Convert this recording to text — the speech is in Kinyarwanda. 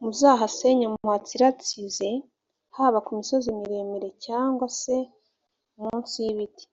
muzahasenye muhatsiratsize: haba ku misozi miremire, cyangwa se mu nsi y’ibiti